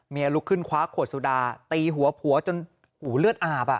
ลุกขึ้นคว้าขวดสุดาตีหัวผัวจนหูเลือดอาบ